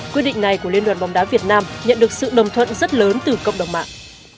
quyết định này của liên đoàn bóng đá việt nam nhận được sự đồng thuận rất lớn từ cộng đồng mạng